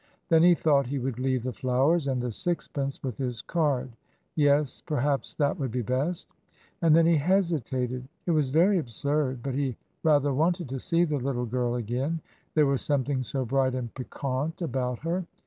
Then he thought he would leave the flowers and the sixpence, with his card. Yes, perhaps that would be best. And then he hesitated. It was very absurd, but he rather wanted to see the little girl again; there was something so bright and piquant about her.